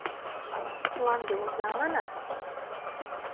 — Мланде оза манат?